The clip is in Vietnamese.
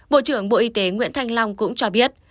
bộ trưởng bộ y tế nguyễn thanh long cũng cho biết